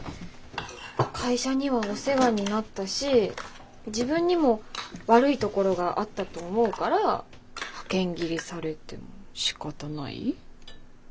会社にはお世話になったし自分にも悪いところがあったと思うから派遣切りされてもしかたない？